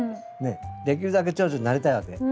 できるだけチョウチョになりたいわけ。